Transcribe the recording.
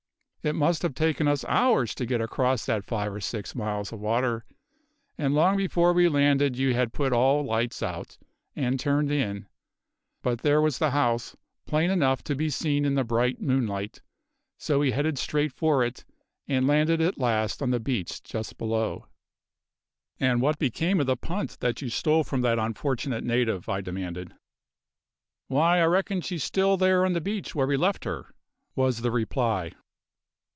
It must have taken us hours to get across that five or six miles of water; and long before we landed you had put all lights out, and turned in; but there was the house, plain enough to be seen in the bright moonlight, so we headed straight for it, and landed at last on the beach just below." "And what became of the punt that you stole from that unfortunate native?" I demanded. "Why, I reckon she's still there on the beach where we left her," was the reply.